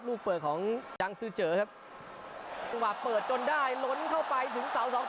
ลูกเปิดของดังซื้อเจอครับจังหวะเปิดจนได้ล้นเข้าไปถึงเสาสองต่อ